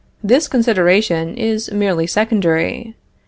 This consideration is merely secondary.